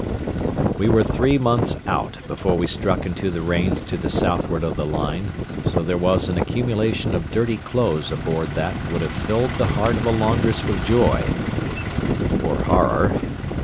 We were three months out before we struck into the rains to the southward of the line, so there was an accumulation of dirty clothes aboard that would have filled the heart of a laundress with joy or horror.